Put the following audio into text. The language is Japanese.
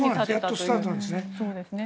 やっとスタートなんですよね。